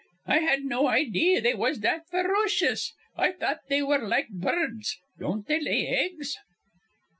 "I had no idee they was that ferocious. I thought they were like bur rds. Don't they lay eggs?"